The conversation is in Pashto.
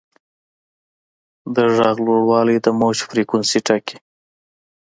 د غږ لوړوالی د موج فریکونسي ټاکي.